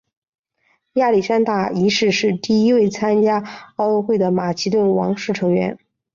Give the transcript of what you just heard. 亚历山大一世是第一位参加奥运会的马其顿王室成员。